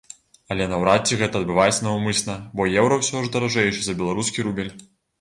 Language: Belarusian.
Але наўрад ці гэта адбываецца наўмысна, бо еўра ўсё ж даражэйшы за беларускі рубель.